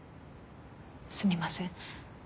すみません。